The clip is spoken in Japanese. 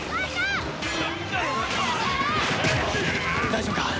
大丈夫か！？